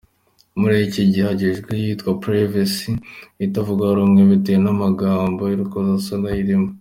Muri iki gihe hagezweho iyitwa ’Privacy’ itavugwaho rumwe bitewe n’amagambo y’urukozasoni ayirimo.